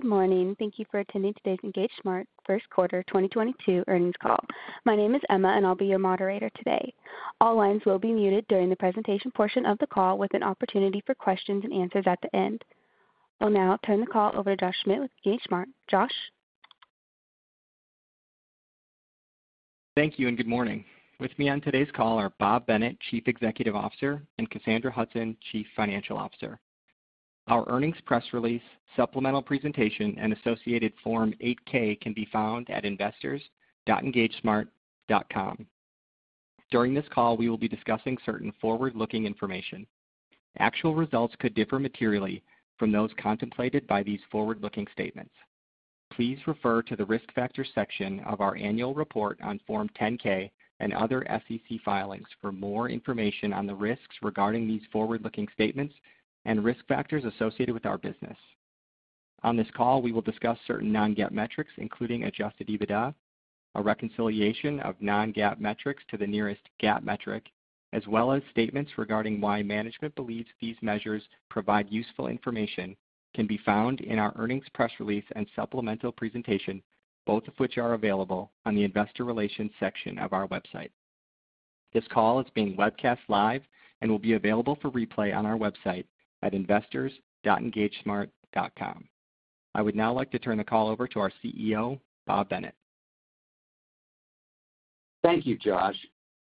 Good morning. Thank you for attending today's EngageSmart first quarter 2022 earnings call. My name is Emma, and I'll be your moderator today. All lines will be muted during the presentation portion of the call with an opportunity for questions and answers at the end. I'll now turn the call over to Josh Schmidt with EngageSmart. Josh? Thank you, and good morning. With me on today's call are Bob Bennett, Chief Executive Officer, and Cassandra Hudson, Chief Financial Officer. Our earnings press release, supplemental presentation, and associated Form 8-K can be found at investors.engagesmart.com. During this call, we will be discussing certain forward-looking information. Actual results could differ materially from those contemplated by these forward-looking statements. Please refer to the Risk Factors section of our annual report on Form 10-K and other SEC filings for more information on the risks regarding these forward-looking statements and risk factors associated with our business. On this call, we will discuss certain non-GAAP metrics, including adjusted EBITDA. A reconciliation of non-GAAP metrics to the nearest GAAP metric as well as statements regarding why management believes these measures provide useful information can be found in our earnings press release and supplemental presentation, both of which are available on the Investor Relations section of our website. This call is being webcast live and will be available for replay on our website at investors.engagesmart.com. I would now like to turn the call over to our CEO, Bob Bennett. Thank you, Josh.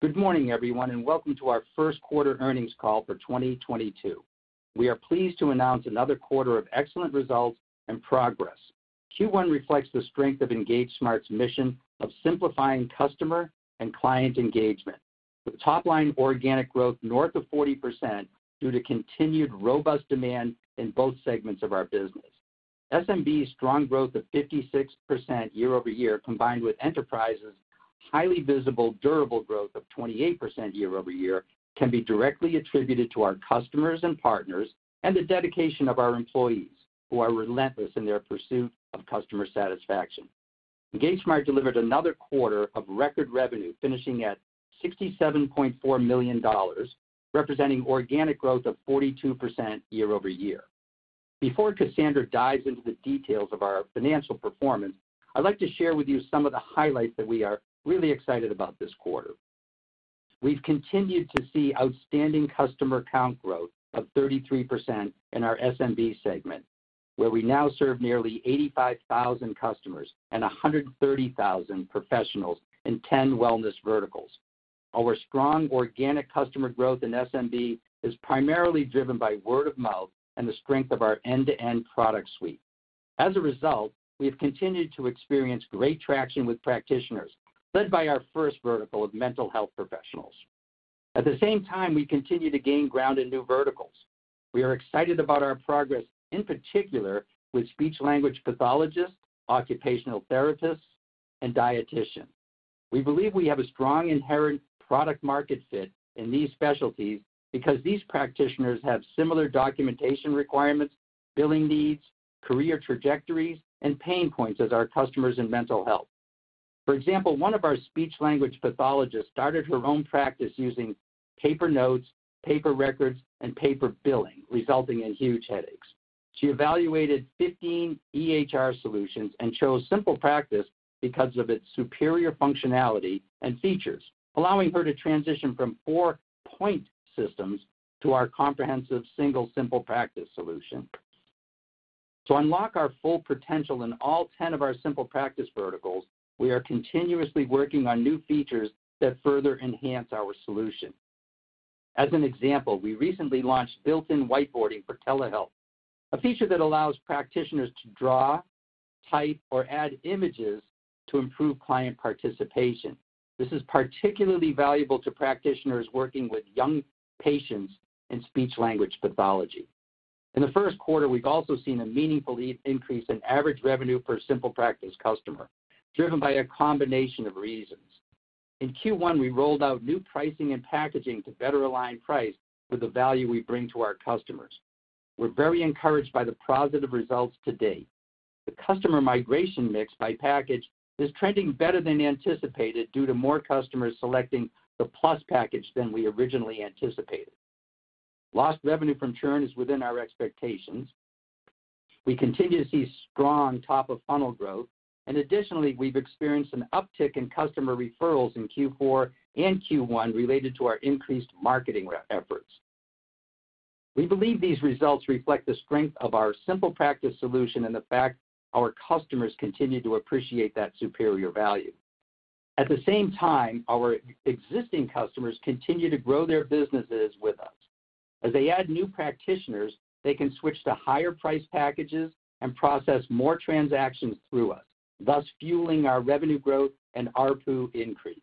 Good morning, everyone, and welcome to our first quarter earnings call for 2022. We are pleased to announce another quarter of excellent results and progress. Q1 reflects the strength of EngageSmart's mission of simplifying customer and client engagement. With top line organic growth north of 40% due to continued robust demand in both segments of our business. SMB's strong growth of 56% year-over-year, combined with Enterprise's highly visible durable growth of 28% year-over-year, can be directly attributed to our customers and partners and the dedication of our employees, who are relentless in their pursuit of customer satisfaction. EngageSmart delivered another quarter of record revenue, finishing at $67.4 million, representing organic growth of 42% year-over-year. Before Cassandra dives into the details of our financial performance, I'd like to share with you some of the highlights that we are really excited about this quarter. We've continued to see outstanding customer count growth of 33% in our SMB segment, where we now serve nearly 85,000 customers and 130,000 professionals in 10 wellness verticals. Our strong organic customer growth in SMB is primarily driven by word of mouth and the strength of our end-to-end product suite. As a result, we have continued to experience great traction with practitioners, led by our first vertical of mental health professionals. At the same time, we continue to gain ground in new verticals. We are excited about our progress, in particular with speech-language pathologists, occupational therapists, and dieticians. We believe we have a strong inherent product market fit in these specialties because these practitioners have similar documentation requirements, billing needs, career trajectories, and pain points as our customers in mental health. For example, one of our speech-language pathologists started her own practice using paper notes, paper records, and paper billing, resulting in huge headaches. She evaluated 15 EHR solutions and chose SimplePractice because of its superior functionality and features, allowing her to transition from 4 point systems to our comprehensive single SimplePractice solution. To unlock our full potential in all 10 of our SimplePractice verticals, we are continuously working on new features that further enhance our solution. As an example, we recently launched built-in whiteboarding for telehealth, a feature that allows practitioners to draw, type, or add images to improve client participation. This is particularly valuable to practitioners working with young patients in speech-language pathology. In the first quarter, we've also seen a meaningful increase in average revenue per SimplePractice customer, driven by a combination of reasons. In Q1, we rolled out new pricing and packaging to better align price with the value we bring to our customers. We're very encouraged by the positive results to date. The customer migration mix by package is trending better than anticipated due to more customers selecting the Plus package than we originally anticipated. Lost revenue from churn is within our expectations. We continue to see strong top of funnel growth. Additionally, we've experienced an uptick in customer referrals in Q4 and Q1 related to our increased marketing efforts. We believe these results reflect the strength of our SimplePractice solution and the fact our customers continue to appreciate that superior value. At the same time, our existing customers continue to grow their businesses with us. As they add new practitioners, they can switch to higher priced packages and process more transactions through us, thus fueling our revenue growth and ARPU increase.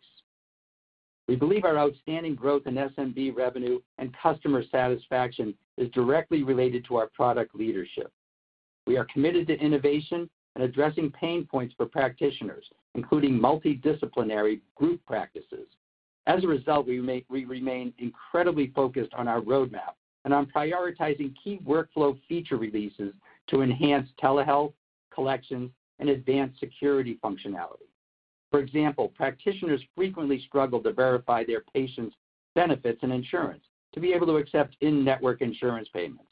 We believe our outstanding growth in SMB revenue and customer satisfaction is directly related to our product leadership. We are committed to innovation and addressing pain points for practitioners, including multidisciplinary group practices. As a result, we remain incredibly focused on our roadmap and on prioritizing key workflow feature releases to enhance telehealth collections and advanced security functionality. For example, practitioners frequently struggle to verify their patients' benefits and insurance to be able to accept in-network insurance payments.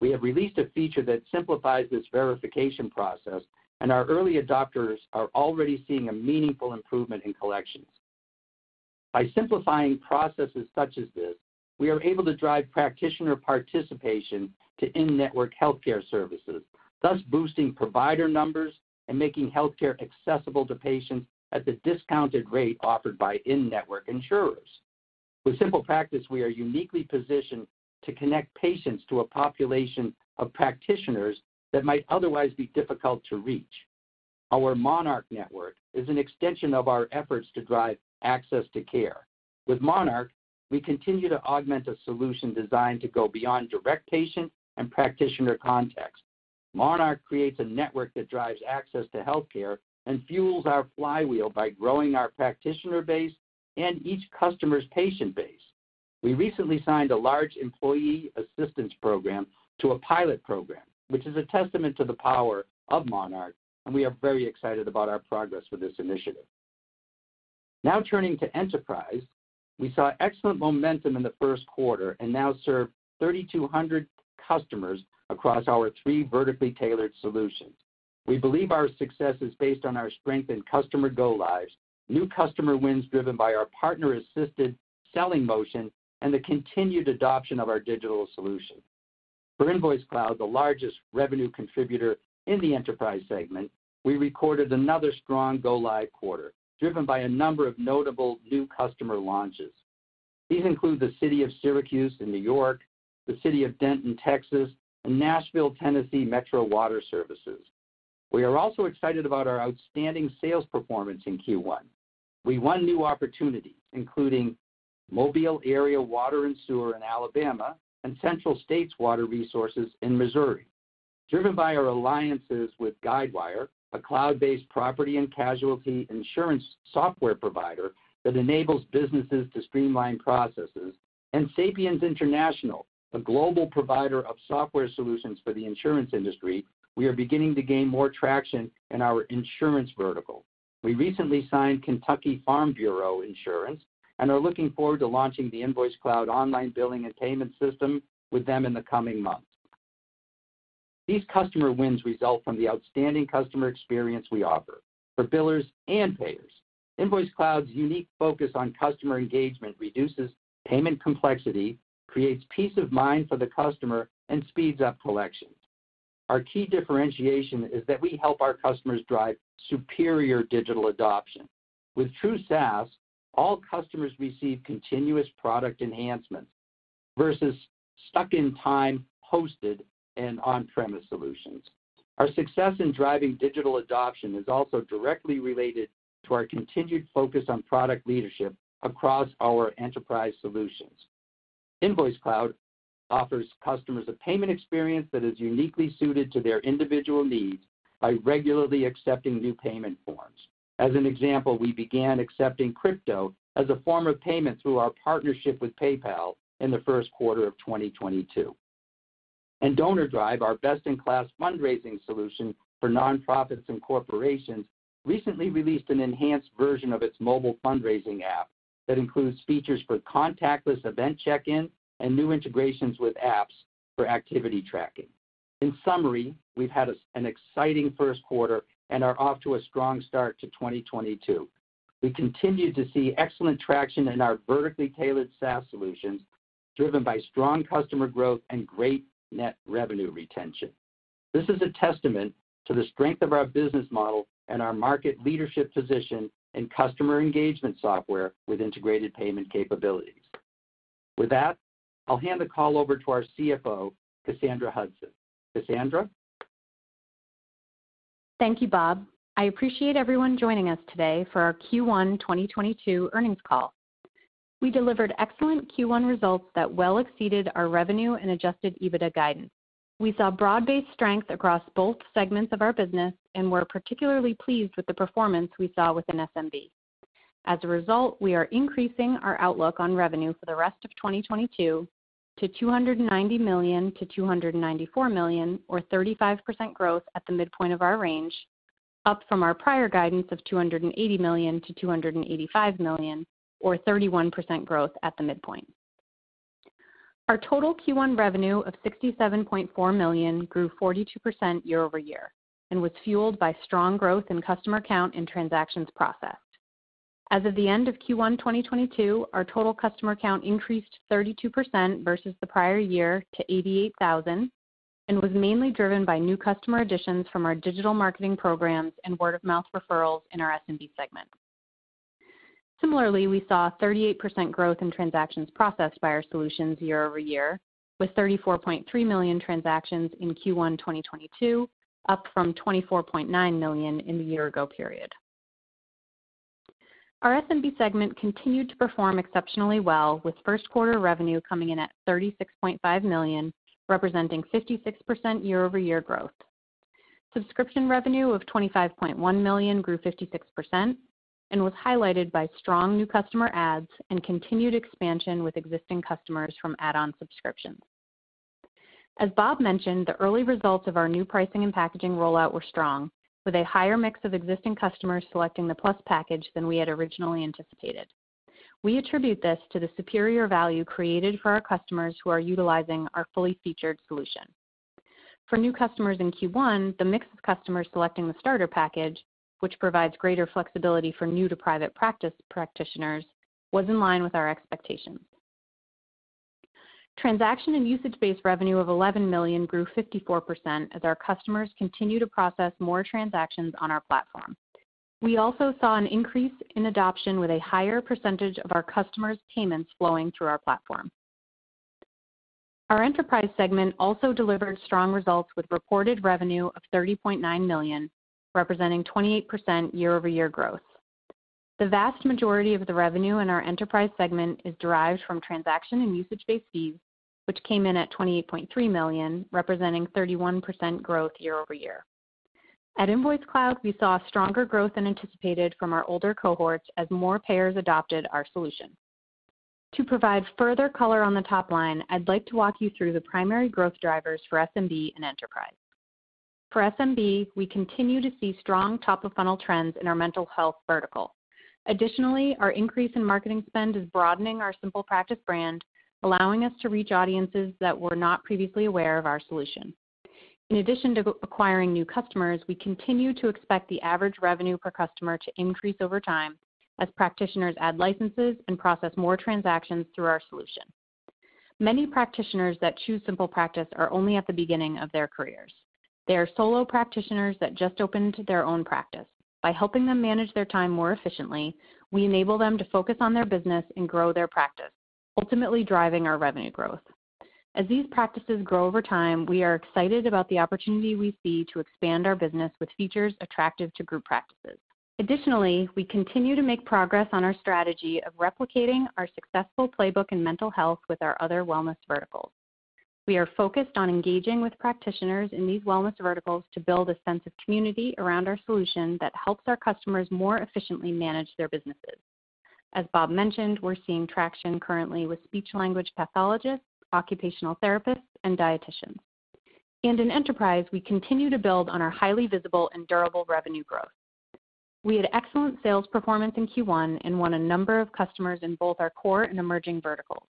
We have released a feature that simplifies this verification process, and our early adopters are already seeing a meaningful improvement in collections. By simplifying processes such as this, we are able to drive practitioner participation to in-network healthcare services, thus boosting provider numbers and making healthcare accessible to patients at the discounted rate offered by in-network insurers. With SimplePractice, we are uniquely positioned to connect patients to a population of practitioners that might otherwise be difficult to reach. Our Monarch network is an extension of our efforts to drive access to care. With Monarch, we continue to augment a solution designed to go beyond direct patient and practitioner context. Monarch creates a network that drives access to healthcare and fuels our flywheel by growing our practitioner base and each customer's patient base. We recently signed a large employee assistance program to a pilot program, which is a testament to the power of Monarch, and we are very excited about our progress with this initiative. Now turning to enterprise, we saw excellent momentum in the first quarter and now serve 3,200 customers across our three vertically tailored solutions. We believe our success is based on our strength in customer go lives, new customer wins driven by our partner-assisted selling motion, and the continued adoption of our digital solution. For InvoiceCloud, the largest revenue contributor in the enterprise segment, we recorded another strong go live quarter, driven by a number of notable new customer launches. These include the City of Syracuse in New York, the City of Denton, Texas, and Nashville, Tennessee Metro Water Services. We are also excited about our outstanding sales performance in Q1. We won new opportunities, including Mobile Area Water and Sewer System in Alabama and Central States Water Resources in Missouri. Driven by our alliances with Guidewire, a cloud-based property and casualty insurance software provider that enables businesses to streamline processes, and Sapiens International, a global provider of software solutions for the insurance industry, we are beginning to gain more traction in our insurance vertical. We recently signed Kentucky Farm Bureau Insurance and are looking forward to launching the InvoiceCloud online billing and payment system with them in the coming months. These customer wins result from the outstanding customer experience we offer for billers and payers. InvoiceCloud's unique focus on customer engagement reduces payment complexity, creates peace of mind for the customer, and speeds up collection. Our key differentiation is that we help our customers drive superior digital adoption. With true SaaS, all customers receive continuous product enhancements versus stuck in time, hosted, and on-premise solutions. Our success in driving digital adoption is also directly related to our continued focus on product leadership across our enterprise solutions. InvoiceCloud offers customers a payment experience that is uniquely suited to their individual needs by regularly accepting new payment forms. As an example, we began accepting crypto as a form of payment through our partnership with PayPal in the first quarter of 2022. DonorDrive, our best-in-class fundraising solution for nonprofits and corporations, recently released an enhanced version of its mobile fundraising app that includes features for contactless event check-ins and new integrations with apps for activity tracking. In summary, we've had an exciting first quarter and are off to a strong start to 2022. We continue to see excellent traction in our vertically tailored SaaS solutions, driven by strong customer growth and great net revenue retention. This is a testament to the strength of our business model and our market leadership position in customer engagement software with integrated payment capabilities. With that, I'll hand the call over to our CFO, Cassandra Hudson. Cassandra? Thank you, Bob. I appreciate everyone joining us today for our Q1 2022 earnings call. We delivered excellent Q1 results that well exceeded our revenue and adjusted EBITDA guidance. We saw broad-based strength across both segments of our business and were particularly pleased with the performance we saw within SMB. As a result, we are increasing our outlook on revenue for the rest of 2022 to $290 million-$294 million or 35% growth at the midpoint of our range, up from our prior guidance of $280 million-$285 million or 31% growth at the midpoint. Our total Q1 revenue of $67.4 million grew 42% year-over-year and was fueled by strong growth in customer count and transactions processed. As of the end of Q1 2022, our total customer count increased 32% versus the prior year to 88,000 and was mainly driven by new customer additions from our digital marketing programs and word of mouth referrals in our SMB segment. Similarly, we saw 38% growth in transactions processed by our solutions year-over-year, with 34.3 million transactions in Q1 2022, up from 24.9 million in the year ago period. Our SMB segment continued to perform exceptionally well, with first quarter revenue coming in at $36.5 million, representing 56% year-over-year growth. Subscription revenue of $25.1 million grew 56% and was highlighted by strong new customer adds and continued expansion with existing customers from add-on subscriptions. As Bob mentioned, the early results of our new pricing and packaging rollout were strong, with a higher mix of existing customers selecting the plus package than we had originally anticipated. We attribute this to the superior value created for our customers who are utilizing our fully featured solution. For new customers in Q1, the mix of customers selecting the starter package, which provides greater flexibility for new to private practice practitioners, was in line with our expectations. Transaction and usage-based revenue of $11 million grew 54% as our customers continue to process more transactions on our platform. We also saw an increase in adoption with a higher percentage of our customers' payments flowing through our platform. Our enterprise segment also delivered strong results with reported revenue of $30.9 million, representing 28% year-over-year growth. The vast majority of the revenue in our enterprise segment is derived from transaction and usage-based fees, which came in at $28.3 million, representing 31% growth year-over-year. At InvoiceCloud, we saw a stronger growth than anticipated from our older cohorts as more payers adopted our solution. To provide further color on the top line, I'd like to walk you through the primary growth drivers for SMB and enterprise. For SMB, we continue to see strong top of funnel trends in our mental health vertical. Additionally, our increase in marketing spend is broadening our SimplePractice brand, allowing us to reach audiences that were not previously aware of our solution. In addition to acquiring new customers, we continue to expect the average revenue per customer to increase over time as practitioners add licenses and process more transactions through our solution. Many practitioners that choose SimplePractice are only at the beginning of their careers. They are solo practitioners that just opened their own practice. By helping them manage their time more efficiently, we enable them to focus on their business and grow their practice, ultimately driving our revenue growth. As these practices grow over time, we are excited about the opportunity we see to expand our business with features attractive to group practices. Additionally, we continue to make progress on our strategy of replicating our successful playbook in mental health with our other wellness verticals. We are focused on engaging with practitioners in these wellness verticals to build a sense of community around our solution that helps our customers more efficiently manage their businesses. As Bob mentioned, we're seeing traction currently with speech language pathologists, occupational therapists, and dietitians. In enterprise, we continue to build on our highly visible and durable revenue growth. We had excellent sales performance in Q1 and won a number of customers in both our core and emerging verticals.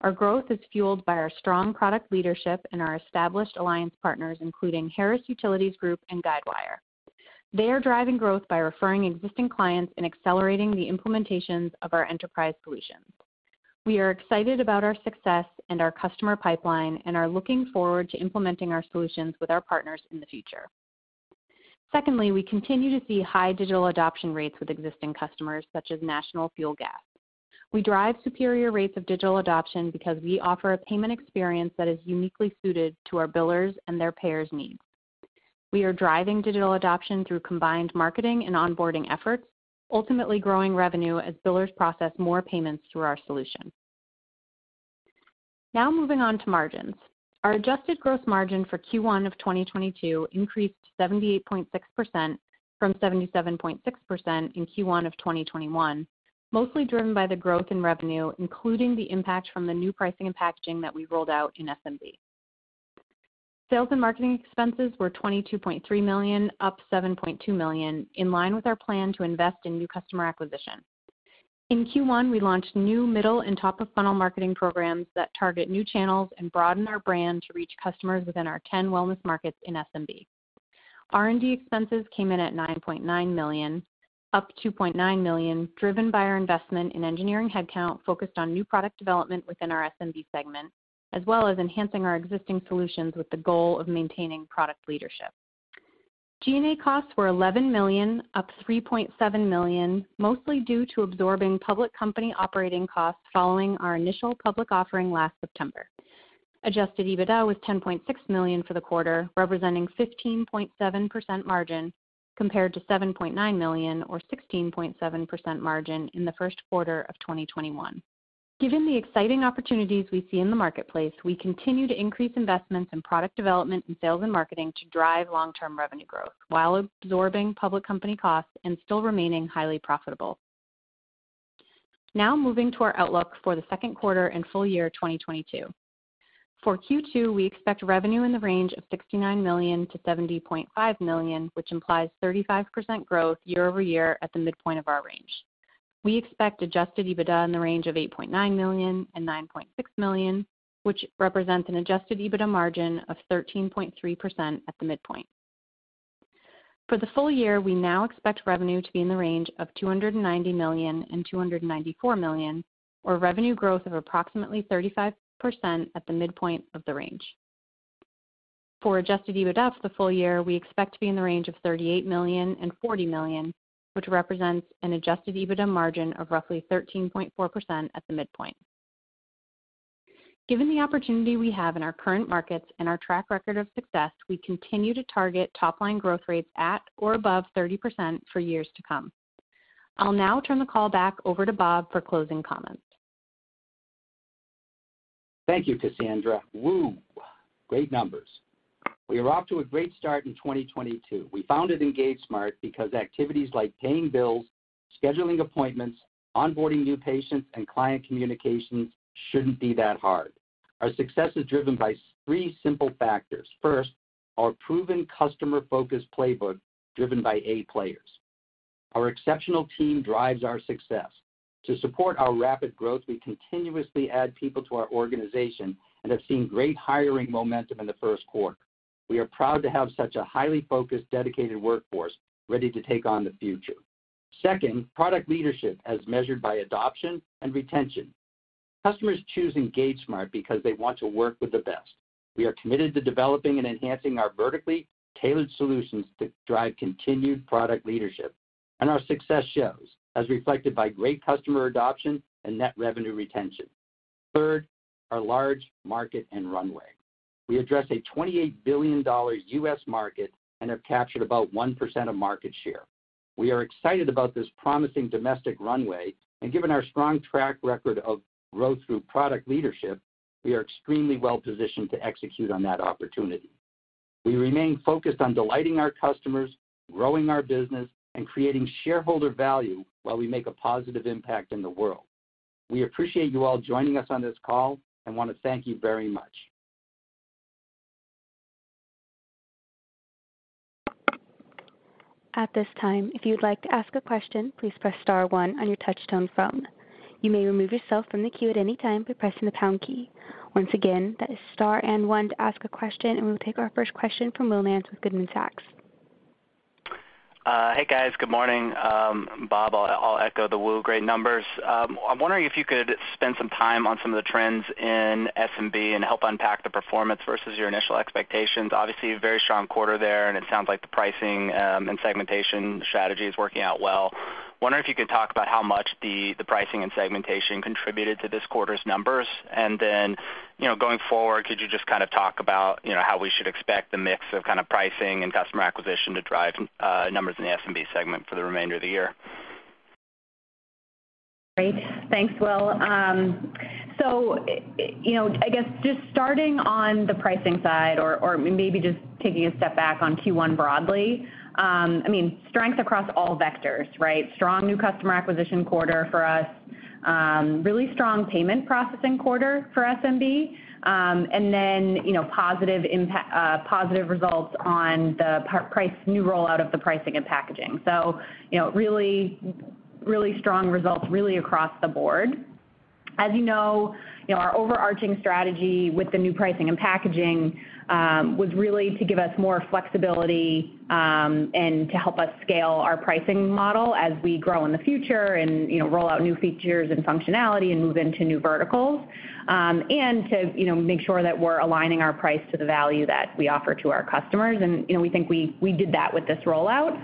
Our growth is fueled by our strong product leadership and our established alliance partners, including Harris Utilities and Guidewire. They are driving growth by referring existing clients and accelerating the implementations of our enterprise solutions. We are excited about our success and our customer pipeline and are looking forward to implementing our solutions with our partners in the future. Secondly, we continue to see high digital adoption rates with existing customers such as National Fuel Gas. We drive superior rates of digital adoption because we offer a payment experience that is uniquely suited to our billers and their payers' needs. We are driving digital adoption through combined marketing and onboarding efforts, ultimately growing revenue as billers process more payments through our solution. Now moving on to margins. Our adjusted gross margin for Q1 of 2022 increased 78.6% from 77.6% in Q1 of 2021, mostly driven by the growth in revenue, including the impact from the new pricing and packaging that we rolled out in SMB. Sales and marketing expenses were $22.3 million, up $7.2 million, in line with our plan to invest in new customer acquisition. In Q1, we launched new middle and top of funnel marketing programs that target new channels and broaden our brand to reach customers within our 10 wellness markets in SMB. R&D expenses came in at $9.9 million, up $2.9 million, driven by our investment in engineering headcount focused on new product development within our SMB segment, as well as enhancing our existing solutions with the goal of maintaining product leadership. G&A costs were $11 million, up $3.7 million, mostly due to absorbing public company operating costs following our initial public offering last September. Adjusted EBITDA was $10.6 million for the quarter, representing 15.7% margin compared to $7.9 million or 16.7% margin in the first quarter of 2021. Given the exciting opportunities we see in the marketplace, we continue to increase investments in product development and sales and marketing to drive long-term revenue growth while absorbing public company costs and still remaining highly profitable. Now moving to our outlook for the second quarter and full year 2022. For Q2, we expect revenue in the range of $69 million-$70.5 million, which implies 35% growth year-over-year at the midpoint of our range. We expect adjusted EBITDA in the range of $8.9 million-$9.6 million, which represents an adjusted EBITDA margin of 13.3% at the midpoint. For the full year, we now expect revenue to be in the range of $290 million-$294 million, or revenue growth of approximately 35% at the midpoint of the range. For adjusted EBITDA for the full year, we expect to be in the range of $38 million-$40 million, which represents an adjusted EBITDA margin of roughly 13.4% at the midpoint. Given the opportunity we have in our current markets and our track record of success, we continue to target top line growth rates at or above 30% for years to come. I'll now turn the call back over to Bob for closing comments. Thank you, Cassandra. Whew. Great numbers. We are off to a great start in 2022. We founded EngageSmart because activities like paying bills, scheduling appointments, onboarding new patients, and client communications shouldn't be that hard. Our success is driven by three simple factors. First, our proven customer-focused playbook driven by A players. Our exceptional team drives our success. To support our rapid growth, we continuously add people to our organization and have seen great hiring momentum in the first quarter. We are proud to have such a highly focused, dedicated workforce ready to take on the future. Second, product leadership as measured by adoption and retention. Customers choose EngageSmart because they want to work with the best. We are committed to developing and enhancing our vertically tailored solutions to drive continued product leadership. Our success shows as reflected by great customer adoption and net revenue retention. Third, our large market and runway. We address a $28 billion U.S. market and have captured about 1% of market share. We are excited about this promising domestic runway, and given our strong track record of growth through product leadership, we are extremely well positioned to execute on that opportunity. We remain focused on delighting our customers, growing our business, and creating shareholder value while we make a positive impact in the world. We appreciate you all joining us on this call and want to thank you very much. At this time, if you'd like to ask a question, please press star one on your touchtone phone. You may remove yourself from the queue at any time by pressing the pound key. Once again, that is star and one to ask a question, and we will take our first question from Will Nance with Goldman Sachs. Hey, guys. Good morning. Bob, I'll echo Will. Great numbers. I'm wondering if you could spend some time on some of the trends in SMB and help unpack the performance versus your initial expectations. Obviously, a very strong quarter there, and it sounds like the pricing and segmentation strategy is working out well. Wondering if you could talk about how much the pricing and segmentation contributed to this quarter's numbers. Then, you know, going forward, could you just kind of talk about, you know, how we should expect the mix of kind of pricing and customer acquisition to drive numbers in the SMB segment for the remainder of the year? Great. Thanks, Will. You know, I guess just starting on the pricing side or maybe just taking a step back on Q1 broadly, I mean, strength across all vectors, right? Strong new customer acquisition quarter for us, really strong payment processing quarter for SMB, and then, you know, positive results on the pricing new rollout of the pricing and packaging. You know, really strong results across the board. As you know, our overarching strategy with the new pricing and packaging was really to give us more flexibility, and to help us scale our pricing model as we grow in the future and, you know, roll out new features and functionality and move into new verticals, and to, you know, make sure that we're aligning our price to the value that we offer to our customers. You know, we think we did that with this rollout.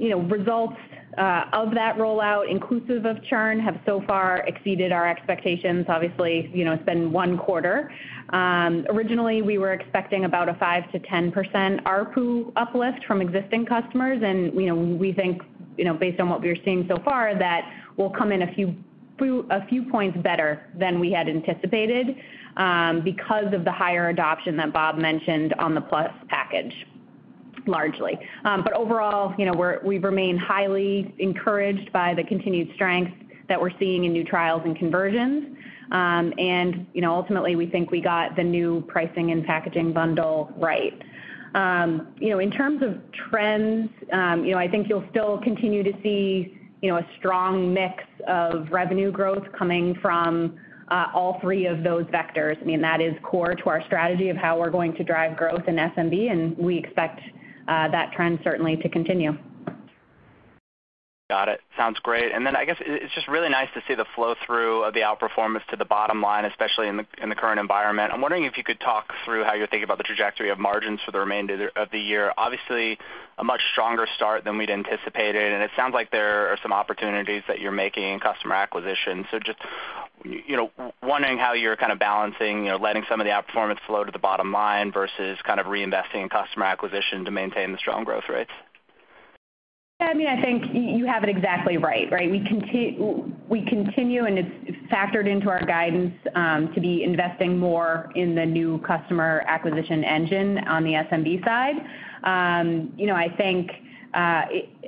You know, results of that rollout, inclusive of churn, have so far exceeded our expectations. Obviously, you know, it's been one quarter. Originally, we were expecting about a 5%-10% ARPU uplift from existing customers. You know, we think, you know, based on what we are seeing so far, that we'll come in a few points better than we had anticipated, because of the higher adoption that Bob mentioned on the plus package, largely. Overall, you know, we remain highly encouraged by the continued strength that we're seeing in new trials and conversions. You know, ultimately, we think we got the new pricing and packaging bundle right. You know, in terms of trends, you know, I think you'll still continue to see, you know, a strong mix of revenue growth coming from all three of those vectors. I mean, that is core to our strategy of how we're going to drive growth in SMB, and we expect that trend certainly to continue. Got it. Sounds great. I guess it's just really nice to see the flow through of the outperformance to the bottom line, especially in the current environment. I'm wondering if you could talk through how you're thinking about the trajectory of margins for the remainder of the year. Obviously, a much stronger start than we'd anticipated, and it sounds like there are some opportunities that you're making in customer acquisition. Just, you know, wondering how you're kind of balancing, you know, letting some of the outperformance flow to the bottom line versus kind of reinvesting in customer acquisition to maintain the strong growth rates. Yeah, I mean, I think you have it exactly right? We continue and it's factored into our guidance to be investing more in the new customer acquisition engine on the SMB side. You know, I think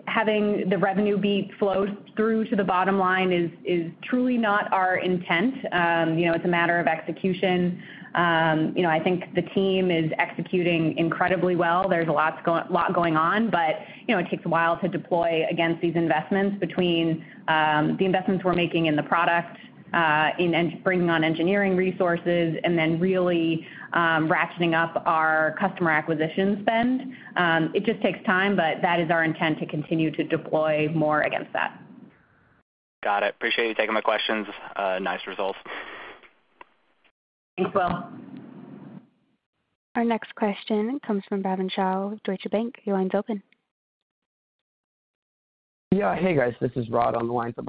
having the revenue beat flow through to the bottom line is truly not our intent. You know, it's a matter of execution. You know, I think the team is executing incredibly well. There's a lot going on, but you know, it takes a while to deploy against these investments between the investments we're making in the product, bringing on engineering resources and then really ratcheting up our customer acquisition spend. It just takes time, but that is our intent to continue to deploy more against that. Got it. Appreciate you taking my questions. Nice results. Thanks, Will. Our next question comes from Bhavin Shah with Deutsche Bank. Your line's open. Yeah. Hey, guys. This is Rod on the line for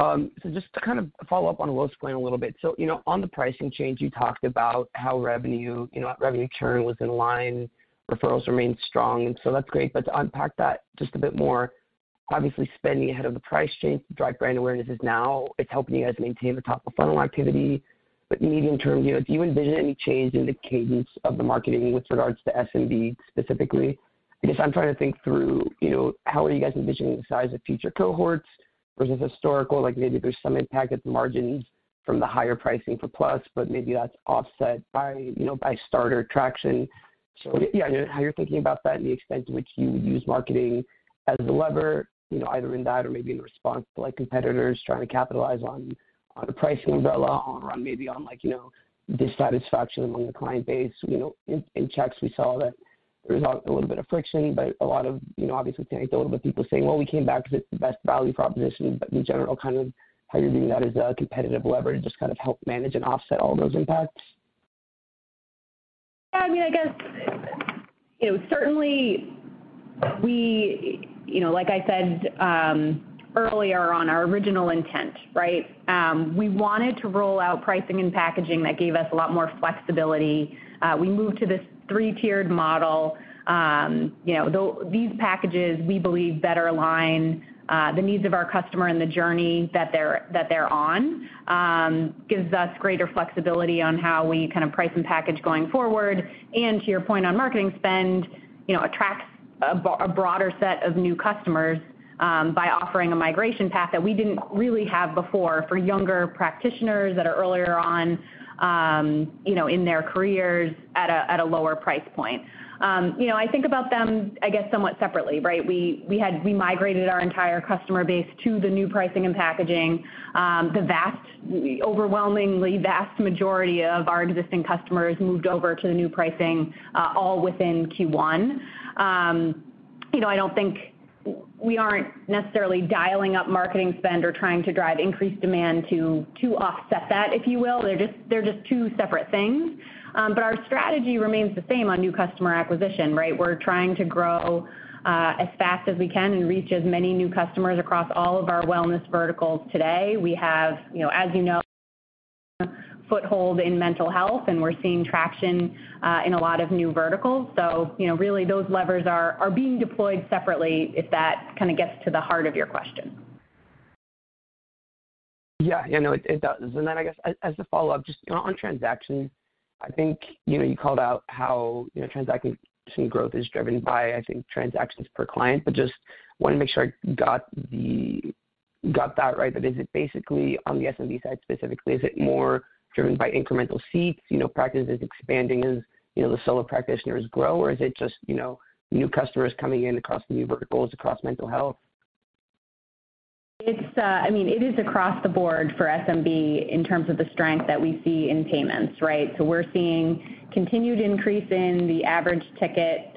Bhavin. Just to kind of follow up on Will's question a little bit. You know, on the pricing change, you talked about how revenue churn was in line, referrals remained strong, and that's great. To unpack that just a bit more. Obviously spending ahead of the price change to drive brand awareness is now, it's helping you guys maintain the top of funnel activity. Medium-term, you know, do you envision any change in the cadence of the marketing with regards to SMB specifically? I guess I'm trying to think through, you know, how are you guys envisioning the size of future cohorts versus historical, like maybe there's some impact at the margins from the higher pricing for Plus, but maybe that's offset by, you know, by starter traction. Yeah, how you're thinking about that and the extent to which you would use marketing as a lever, you know, either in that or maybe in response to like competitors trying to capitalize on a pricing umbrella or on maybe like, you know, dissatisfaction among the client base. You know, in checks, we saw that there was a little bit of friction, but a lot of, you know, obviously anecdotally people saying, "Well, we came back because it's the best value proposition." But in general, kind of how you're viewing that as a competitive lever to just kind of help manage and offset all those impacts. Yeah, I mean, I guess, you know, certainly we you know, like I said, earlier on our original intent, right? We wanted to roll out pricing and packaging that gave us a lot more flexibility. We moved to this three-tiered model. You know, these packages, we believe, better align the needs of our customer and the journey that they're on. Gives us greater flexibility on how we kind of price and package going forward. To your point on marketing spend, you know, attracts a broader set of new customers by offering a migration path that we didn't really have before for younger practitioners that are earlier on, you know, in their careers at a lower price point. You know, I think about them, I guess, somewhat separately, right? We migrated our entire customer base to the new pricing and packaging. The overwhelmingly vast majority of our existing customers moved over to the new pricing, all within Q1. You know, we aren't necessarily dialing up marketing spend or trying to drive increased demand to offset that, if you will. They're just two separate things. Our strategy remains the same on new customer acquisition, right? We're trying to grow as fast as we can and reach as many new customers across all of our wellness verticals today. We have, you know, as you know, foothold in mental health, and we're seeing traction in a lot of new verticals. You know, really those levers are being deployed separately, if that kinda gets to the heart of your question. Yeah. No, it does. Then I guess as a follow-up, just, you know, on transaction, I think, you know, you called out how, you know, transaction growth is driven by, I think, transactions per client. But just wanna make sure I got that right. But is it basically on the SMB side specifically, is it more driven by incremental seats, you know, practices expanding as, you know, the solo practitioners grow? Or is it just, you know, new customers coming in across new verticals, across mental health? It's, I mean, it is across the board for SMB in terms of the strength that we see in payments, right? We're seeing continued increase in the average ticket,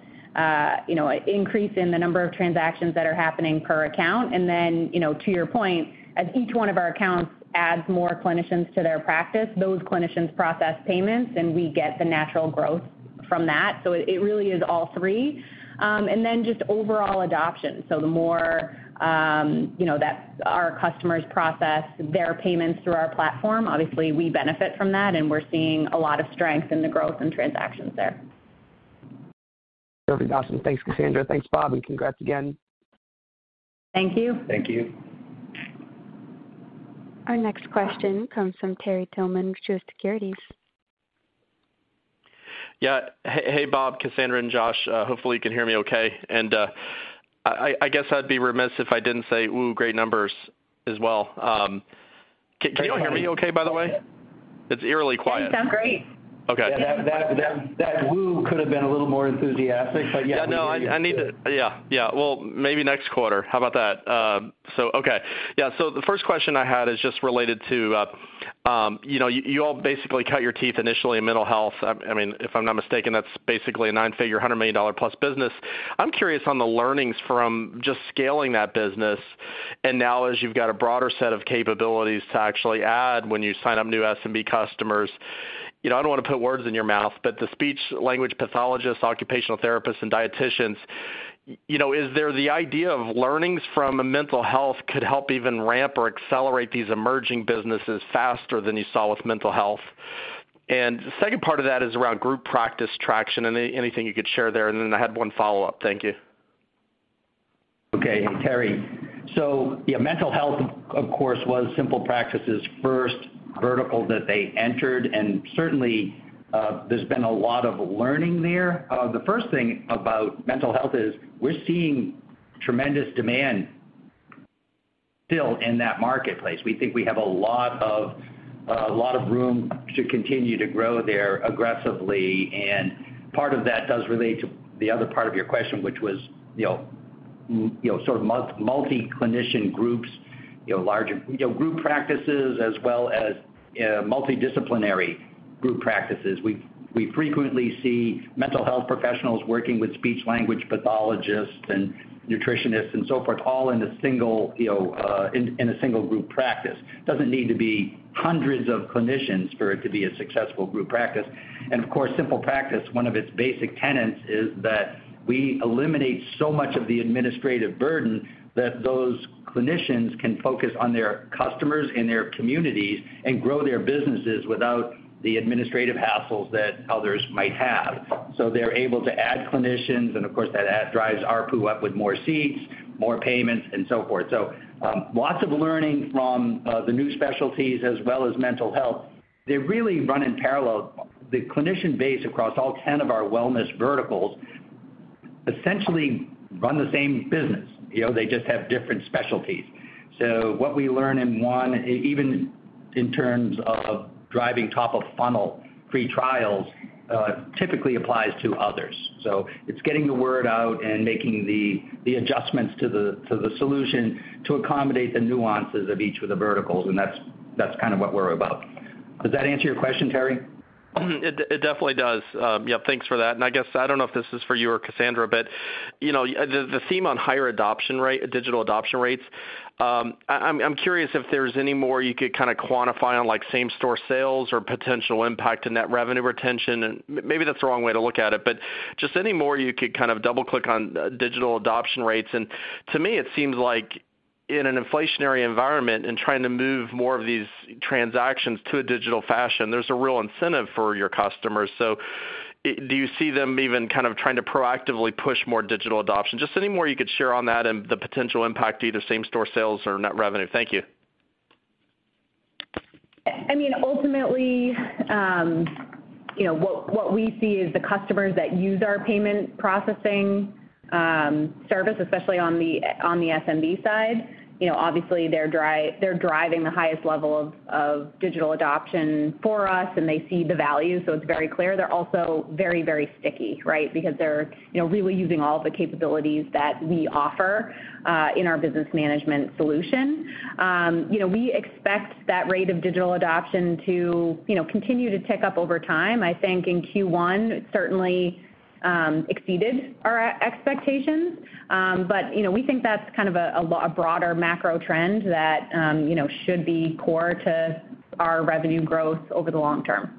you know, increase in the number of transactions that are happening per account. To your point, as each one of our accounts adds more clinicians to their practice, those clinicians process payments, and we get the natural growth from that. It really is all three. Just overall adoption. The more, you know, that our customers process their payments through our platform, obviously we benefit from that, and we're seeing a lot of strength in the growth and transactions there. Perfect. Awesome. Thanks, Cassandra. Thanks, Bob, and congrats again. Thank you. Thank you. Our next question comes from Terry Tillman, Truist Securities. Yeah. Hey, Bob, Cassandra, and Josh. Hopefully you can hear me okay. I guess I'd be remiss if I didn't say, ooh, great numbers as well. Can you all hear me okay, by the way? It's eerily quiet. You sound great. Okay. That woo could have been a little more enthusiastic, but yeah. Yeah. No, I need it. Yeah. Yeah. Well, maybe next quarter. How about that? So the first question I had is just related to, you know, you all basically cut your teeth initially in mental health. I mean, if I'm not mistaken, that's basically a nine-figure, $100 million-plus business. I'm curious on the learnings from just scaling that business and now as you've got a broader set of capabilities to actually add when you sign up new SMB customers. You know, I don't wanna put words in your mouth, but the speech language pathologists, occupational therapists, and dietitians, you know, is there the idea of learnings from a mental health could help even ramp or accelerate these emerging businesses faster than you saw with mental health? And the second part of that is around group practice traction. Anything you could share there, and then I had one follow-up. Thank you. Okay, Terry. Yeah, mental health, of course, was SimplePractice's first vertical that they entered, and certainly, there's been a lot of learning there. The first thing about mental health is we're seeing tremendous demand still in that marketplace. We think we have a lot of room to continue to grow there aggressively, and part of that does relate to the other part of your question, which was, you know, sort of multi-clinician groups, you know, larger, you know, group practices as well as, multidisciplinary group practices. We frequently see mental health professionals working with speech language pathologists and nutritionists and so forth, all in a single, you know, in a single group practice. Doesn't need to be hundreds of clinicians for it to be a successful group practice. Of course, SimplePractice, one of its basic tenets is that we eliminate so much of the administrative burden that those clinicians can focus on their customers in their communities and grow their businesses without the administrative hassles that others might have. They're able to add clinicians, and of course, that drives ARPU up with more seats, more payments, and so forth. Lots of learning from the new specialties as well as mental health. They really run in parallel. The clinician base across all 10 of our wellness verticals essentially run the same business, you know, they just have different specialties. What we learn in one, even in terms of driving top of funnel free trials, typically applies to others. It's getting the word out and making the adjustments to the solution to accommodate the nuances of each of the verticals, and that's kind of what we're about. Does that answer your question, Terry? It definitely does. Yeah, thanks for that. I guess, I don't know if this is for you or Cassandra, but, you know, the theme on higher adoption rate, digital adoption rates, I'm curious if there's any more you could kind of quantify on like same-store sales or potential impact in that revenue retention. Maybe that's the wrong way to look at it, but just any more you could kind of double click on digital adoption rates. To me, it seems like in an inflationary environment and trying to move more of these transactions to a digital fashion, there's a real incentive for your customers. Do you see them even kind of trying to proactively push more digital adoption? Just any more you could share on that and the potential impact to either same-store sales or net revenue. Thank you. I mean, ultimately, you know, what we see is the customers that use our payment processing service, especially on the SMB side, you know, obviously they're driving the highest level of digital adoption for us, and they see the value, so it's very clear. They're also very sticky, right? Because they're, you know, really using all the capabilities that we offer in our business management solution. You know, we expect that rate of digital adoption to, you know, continue to tick up over time. I think in Q1, it certainly exceeded our expectations. You know, we think that's kind of a broader macro trend that, you know, should be core to our revenue growth over the long term.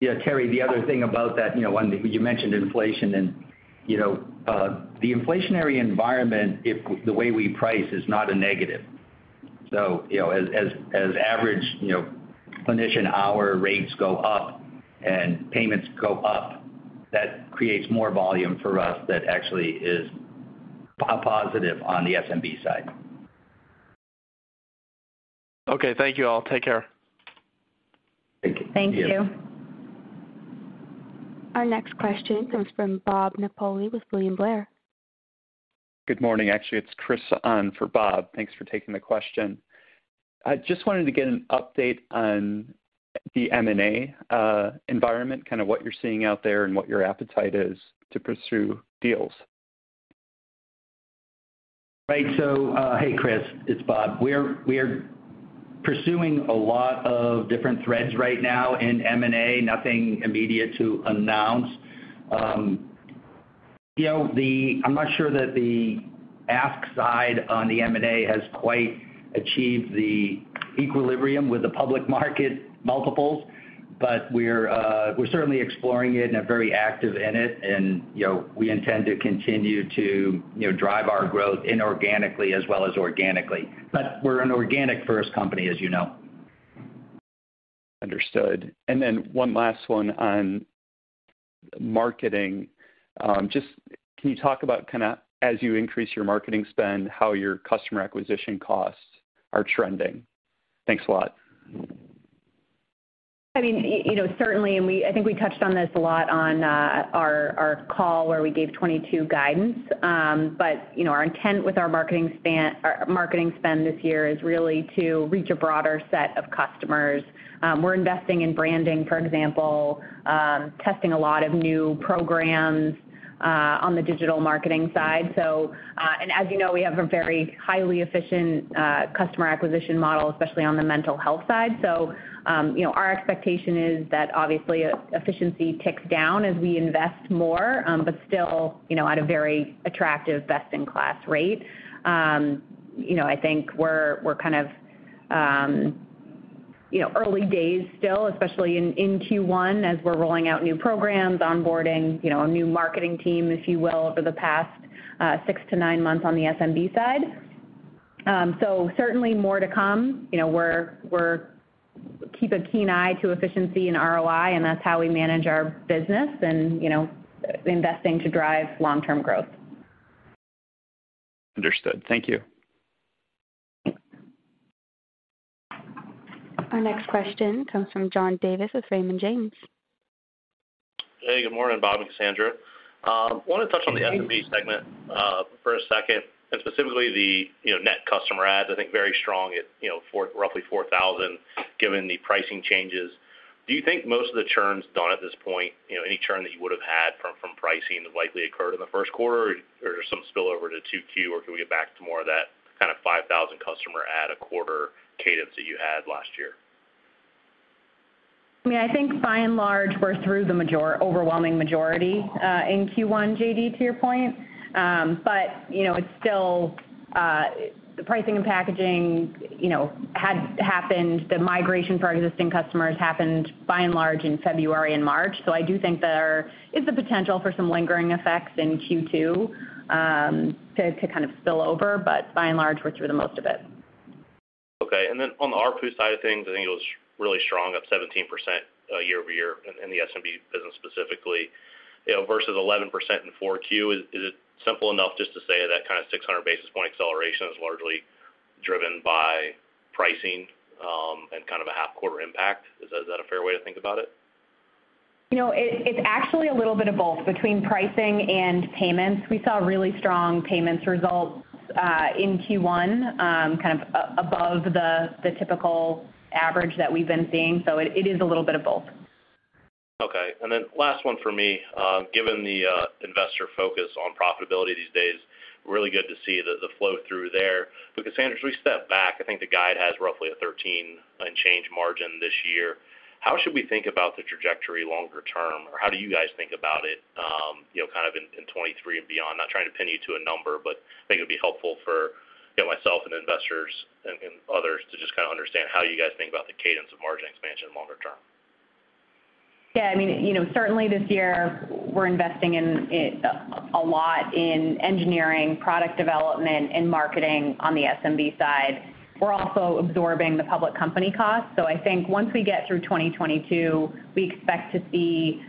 Yeah, Terry, the other thing about that, you know, when you mentioned inflation and, you know, the inflationary environment, if the way we price is not a negative. You know, as average, you know, clinician hour rates go up and payments go up, that creates more volume for us that actually is a positive on the SMB side. Okay. Thank you all. Take care. Thank you. Thank you. Our next question comes from Bob Napoli with William Blair. Good morning. Actually, it's Chris on for Bob. Thanks for taking the question. I just wanted to get an update on the M&A environment, kind of what you're seeing out there and what your appetite is to pursue deals. Right. Hey, Chris, it's Bob. We are pursuing a lot of different threads right now in M&A, nothing immediate to announce. You know, I'm not sure that the ask side on the M&A has quite achieved the equilibrium with the public market multiples, but we're certainly exploring it and are very active in it. You know, we intend to continue to, you know, drive our growth inorganically as well as organically. We're an organic-first company, as you know. Understood. One last one on marketing. Just can you talk about kind of, as you increase your marketing spend, how your customer acquisition costs are trending? Thanks a lot. I mean, you know, certainly, I think we touched on this a lot on our call where we gave 2022 guidance. You know, our intent with our marketing spend this year is really to reach a broader set of customers. We're investing in branding, for example, testing a lot of new programs on the digital marketing side. And as you know, we have a very highly efficient customer acquisition model, especially on the mental health side. You know, our expectation is that obviously efficiency ticks down as we invest more, but still, you know, at a very attractive best-in-class rate. You know, I think we're kind of, you know, early days still, especially in Q1, as we're rolling out new programs, onboarding, you know, a new marketing team, if you will, over the past 6-9 months on the SMB side. Certainly more to come. You know, we're keep a keen eye to efficiency and ROI, and that's how we manage our business and, you know, investing to drive long-term growth. Understood. Thank you. Thanks. Our next question comes from John Davis with Raymond James. Hey, good morning, Bob and Cassandra. Wanted to touch on the SMB segment for a second, and specifically the you know net customer adds, I think very strong at you know roughly 4,000, given the pricing changes. Do you think most of the churn's done at this point, you know any churn that you would have had from pricing that likely occurred in the first quarter, or is there some spill over to 2Q, or can we get back to more of that kind of 5,000 customer add a quarter cadence that you had last year? I mean, I think by and large, we're through the major overwhelming majority in Q1, John Davis, to your point. But you know, it's still the pricing and packaging, you know, had happened. The migration for our existing customers happened by and large in February and March. I do think there is the potential for some lingering effects in Q2 to kind of spill over, but by and large, we're through the most of it. Okay. On the ARPU side of things, I think it was really strong, up 17% year-over-year in the SMB business specifically, you know, versus 11% in 4Q. Is it simple enough just to say that kind of 600 basis points acceleration is largely driven by pricing, and kind of a half quarter impact. Is that a fair way to think about it? You know, it's actually a little bit of both between pricing and payments. We saw really strong payments results in Q1, kind of above the typical average that we've been seeing. It is a little bit of both. Okay. Last one for me. Given the investor focus on profitability these days, really good to see the flow through there. Cassandra, as we step back, I think the guide has roughly a 13% and change margin this year. How should we think about the trajectory longer term? Or how do you guys think about it, you know, kind of in 2023 and beyond? Not trying to pin you to a number, but I think it'd be helpful for, you know, myself and investors and others to just kind of understand how you guys think about the cadence of margin expansion longer term. Yeah, I mean, you know, certainly this year we're investing in a lot in engineering, product development and marketing on the SMB side. We're also absorbing the public company costs. I think once we get through 2022, we expect to see,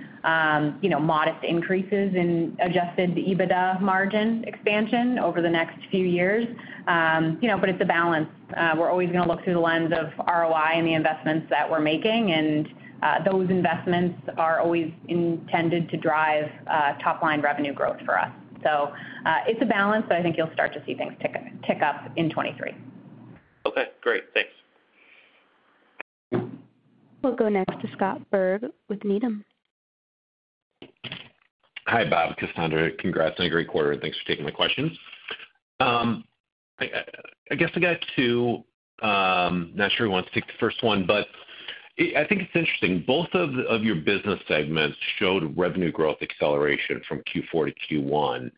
you know, modest increases in adjusted EBITDA margin expansion over the next few years. You know, it's a balance. We're always gonna look through the lens of ROI and the investments that we're making, and those investments are always intended to drive top-line revenue growth for us. It's a balance, but I think you'll start to see things tick up in 2023. Okay, great. Thanks. We'll go next to Scott Berg with Needham. Hi, Bob, Cassandra. Congrats on a great quarter, and thanks for taking my questions. I guess I got two, not sure who wants to take the first one, but I think it's interesting, both of your business segments showed revenue growth acceleration from Q4 to Q1.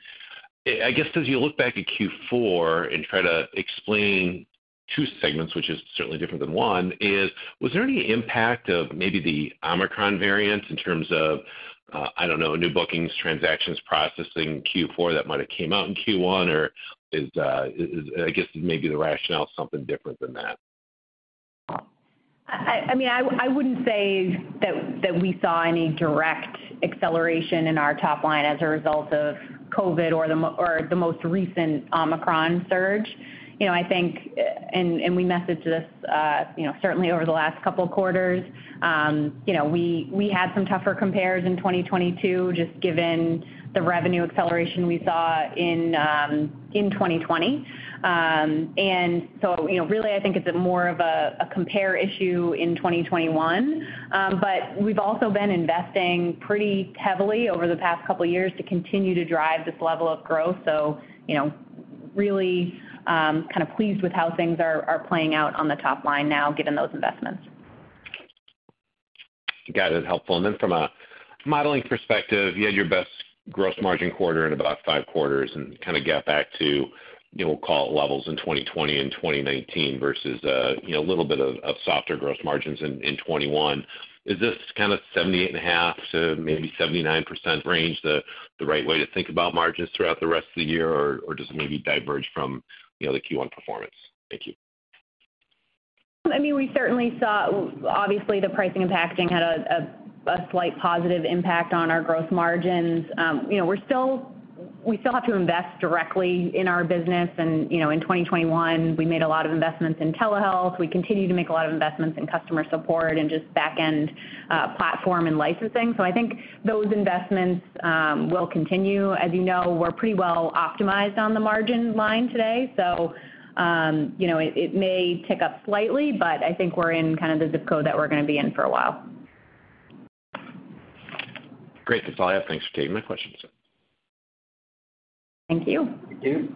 I guess as you look back at Q4 and try to explain two segments, which is certainly different than one, was there any impact of maybe the Omicron variant in terms of, I don't know, new bookings, transaction processing in Q4 that might have came out in Q1? Or is, I guess, maybe the rationale is something different than that. I mean, I wouldn't say that we saw any direct acceleration in our top line as a result of COVID or the most recent Omicron surge. You know, I think, and we messaged this, you know, certainly over the last couple of quarters, you know, we had some tougher compares in 2022 just given the revenue acceleration we saw in 2020. You know, really, I think it's more of a compare issue in 2021. We've also been investing pretty heavily over the past couple of years to continue to drive this level of growth. You know, really, kind of pleased with how things are playing out on the top line now given those investments. Got it. Helpful. From a modeling perspective, you had your best gross margin quarter in about 5 quarters and kind of got back to, you know, call it levels in 2020 and 2019 versus, you know, a little bit of softer gross margins in 2021. Is this kind of 78.5%-79% range the right way to think about margins throughout the rest of the year or does it maybe diverge from, you know, the Q1 performance? Thank you. I mean, we certainly saw obviously the pricing and packaging had a slight positive impact on our growth margins. You know, we're still. We still have to invest directly in our business and, you know, in 2021, we made a lot of investments in telehealth. We continue to make a lot of investments in customer support and just back-end platform and licensing. I think those investments will continue. As you know, we're pretty well optimized on the margin line today, so, you know, it may tick up slightly, but I think we're in kind of the ZIP code that we're gonna be in for a while. Great. That's all I have. Thanks for taking my questions. Thank you. Thank you.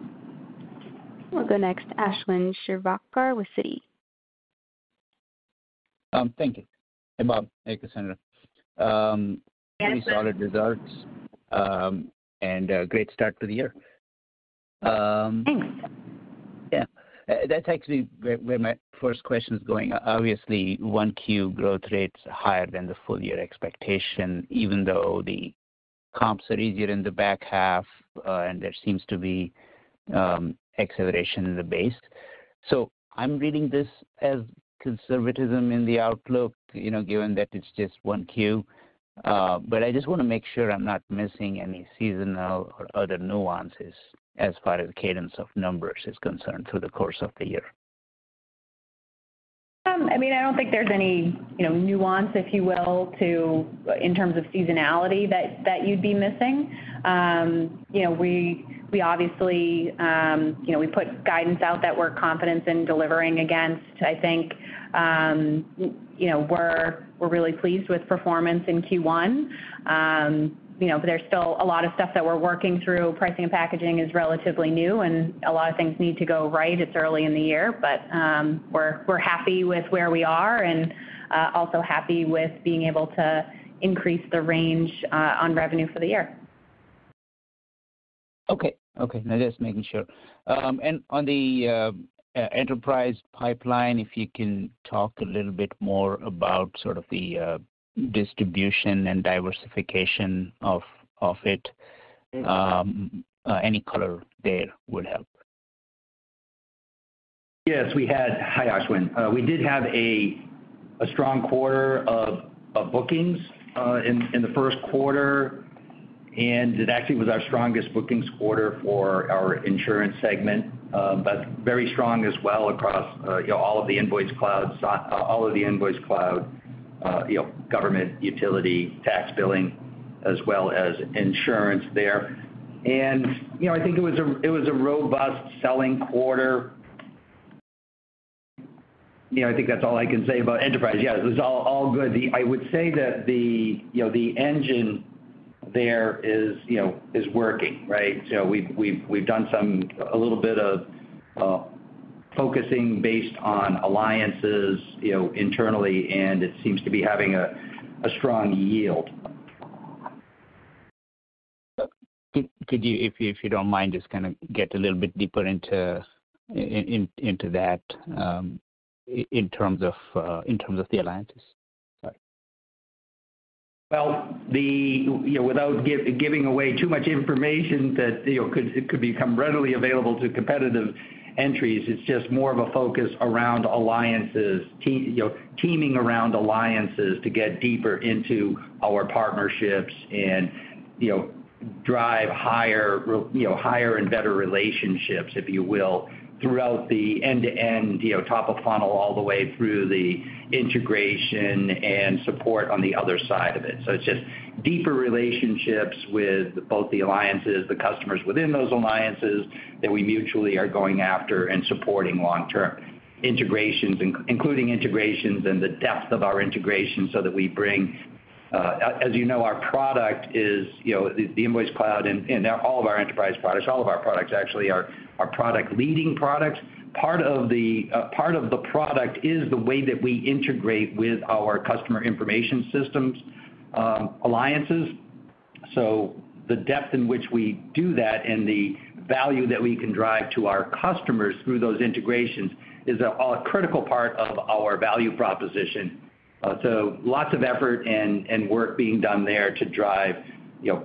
We'll go next to Ashwin Shirvaikar with Citi. Thank you. Hey, Bob. Hey, Cassandra. Hi, Ashwin Very solid results, and a great start to the year. Thanks. Yeah. That takes me where my first question is going. Obviously, one Q growth rate's higher than the full year expectation, even though the comps are easier in the back half, and there seems to be acceleration in the base. I'm reading this as conservatism in the outlook, you know, given that it's just one Q. I just wanna make sure I'm not missing any seasonal or other nuances as far as the cadence of numbers is concerned through the course of the year. I mean, I don't think there's any, you know, nuance, if you will, in terms of seasonality that you'd be missing. You know, we obviously put guidance out that we're confident in delivering against. I think, you know, we're really pleased with performance in Q1. You know, but there's still a lot of stuff that we're working through. Pricing and packaging is relatively new, and a lot of things need to go right. It's early in the year, but we're happy with where we are and also happy with being able to increase the range on revenue for the year. Okay. No, just making sure. On the enterprise pipeline, if you can talk a little bit more about sort of the distribution and diversification of it. Any color there would help. Hi, Ashwin. We did have a strong quarter of bookings in the first quarter. It actually was our strongest bookings quarter for our insurance segment, but very strong as well across, you know, all of the InvoiceCloud, you know, government, utility, tax billing, as well as insurance there. I think it was a robust selling quarter. You know, I think that's all I can say about enterprise. Yeah, this is all good. I would say that the, you know, the engine there is, you know, is working, right? We've done some a little bit of focusing based on alliances, you know, internally, and it seems to be having a strong yield. Could you, if you don't mind, just kinda get a little bit deeper into that, in terms of the alliances. Sorry. You know, without giving away too much information that, you know, could become readily available to competitive entities, it's just more of a focus around alliances, teaming around alliances to get deeper into our partnerships and, you know, drive higher and better relationships, if you will, throughout the end-to-end, you know, top of funnel all the way through the integration and support on the other side of it. It's just deeper relationships with both the alliances, the customers within those alliances that we mutually are going after and supporting long-term. Integrations, including integrations and the depth of our integrations so that we bring. As you know, our product is the InvoiceCloud and all of our enterprise products, all of our products actually are leading products. Part of the product is the way that we integrate with our customer information systems, alliances. The depth in which we do that and the value that we can drive to our customers through those integrations is a critical part of our value proposition. Lots of effort and work being done there to drive, you know,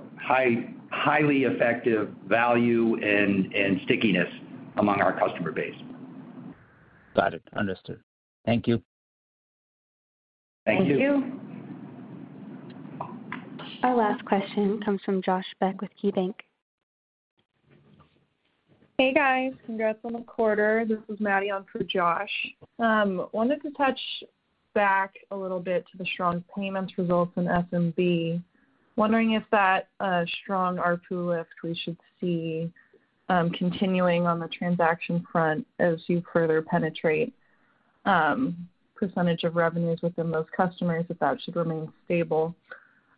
highly effective value and stickiness among our customer base. Got it. Understood. Thank you. Thank you. Thank you. Our last question comes from Josh Beck with KeyBank. Hey, guys. Congrats on the quarter. This is Maddie on for Josh. Wanted to touch back a little bit to the strong payments results in SMB. Wondering if that strong ARPU lift we should see continuing on the transaction front as you further penetrate percentage of revenues within those customers, if that should remain stable.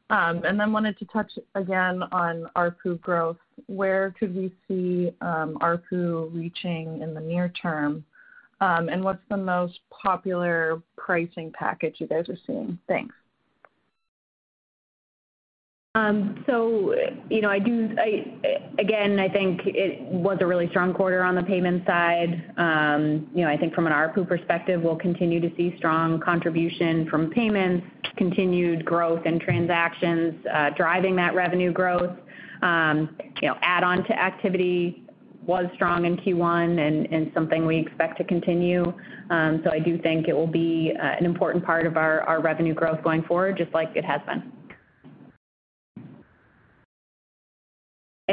And then wanted to touch again on ARPU growth. Where could we see ARPU reaching in the near term? And what's the most popular pricing package you guys are seeing? Thanks. You know, again, I think it was a really strong quarter on the payments side. You know, I think from an ARPU perspective, we'll continue to see strong contribution from payments, continued growth in transactions driving that revenue growth. You know, add-on to activity was strong in Q1 and something we expect to continue. I do think it will be an important part of our revenue growth going forward, just like it has been.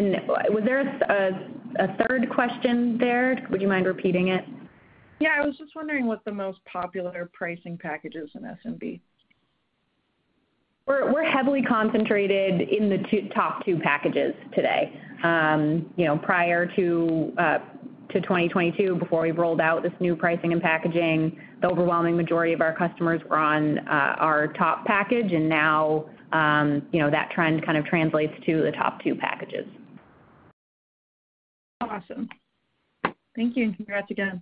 Was there a third question there? Would you mind repeating it? Yeah. I was just wondering what the most popular pricing package is in SMB. We're heavily concentrated in the top two packages today. You know, prior to 2022, before we rolled out this new pricing and packaging, the overwhelming majority of our customers were on our top package. Now, you know, that trend kind of translates to the top two packages. Awesome. Thank you, and congrats again.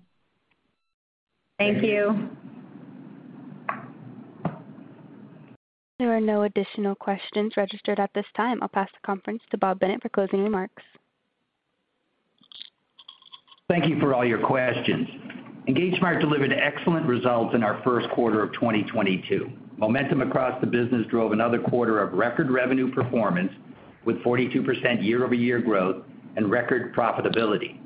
Thank you. There are no additional questions registered at this time. I'll pass the conference to Bob Bennett for closing remarks. Thank you for all your questions. EngageSmart delivered excellent results in our first quarter of 2022. Momentum across the business drove another quarter of record revenue performance with 42% year-over-year growth and record profitability.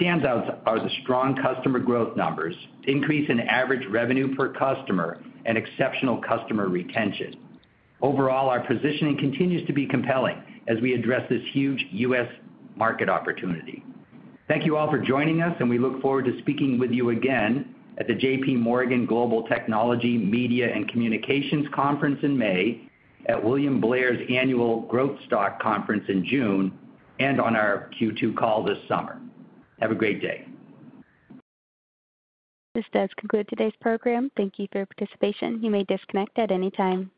Standouts are the strong customer growth numbers, increase in average revenue per customer, and exceptional customer retention. Overall, our positioning continues to be compelling as we address this huge U.S. market opportunity. Thank you all for joining us, and we look forward to speaking with you again at the J.P. Morgan Global Technology, Media and Communications Conference in May, at William Blair's Annual Growth Stock Conference in June, and on our Q2 call this summer. Have a great day. This does conclude today's program. Thank you for your participation. You may disconnect at any time.